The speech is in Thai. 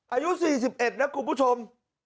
อายุ๔๑นะคุณผู้ชม